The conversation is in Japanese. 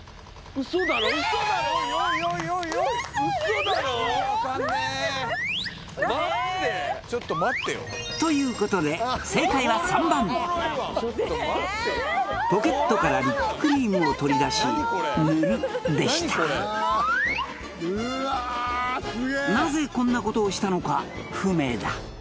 ウソでしょウソだろ！？何で！？ということで正解は３番ポケットからリップクリームを取り出し塗るでしたなぜこんなことをしたのか不明だ